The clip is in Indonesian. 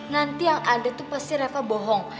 nanti yang ada itu pasti reva bohong